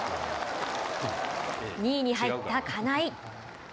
２位に入った金井。